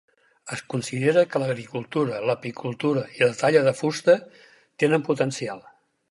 Es considera que l'agricultura, l'apicultura i la talla de fusta tenen potencial.